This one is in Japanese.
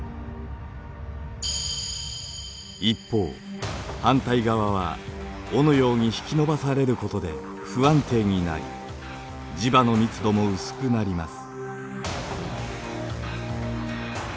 一方反対側は尾のように引き伸ばされることで不安定になり磁場の密度も薄くなります。